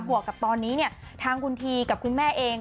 วกกับตอนนี้เนี่ยทางคุณทีกับคุณแม่เอง